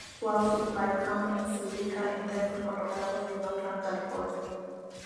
Visual Supply Company se ubica en Denver, Colorado y en Oakland, California.